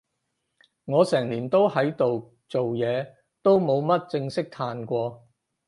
我成年都喺度做嘢，都冇乜正式嘆過